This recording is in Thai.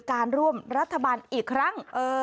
การร่วมรัฐบาลอีกครั้ง